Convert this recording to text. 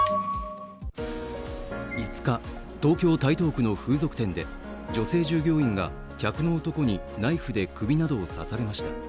５日、東京・台東区の風俗店で女性従業員が客の男にナイフで首などを刺されました。